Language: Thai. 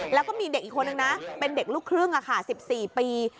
แล้วก็มีเด็กอีกคนนึงนะเป็นเด็กลูกครึ่ง๑๔ปี